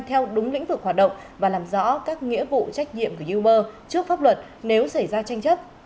theo đúng lĩnh vực hoạt động và làm rõ các nghĩa vụ trách nhiệm của uber trước pháp luật nếu xảy ra tranh chấp